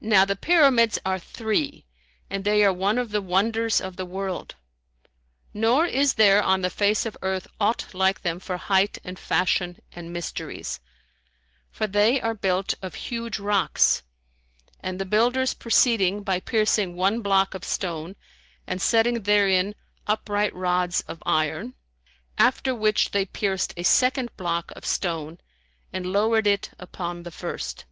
Now the Pyramids are three, and they are one of the Wonders of the World; nor is there on the face of earth aught like them for height and fashion and mysteries[FN#154]; for they are built of huge rocks, and the builders proceeded by piercing one block of stone and setting therein upright rods of iron[FN#155]; after which they pierced a second block of stone and lowered it upon the first.